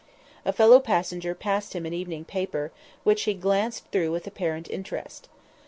A fellow passenger passed him an evening paper, which he glanced through with apparent interest.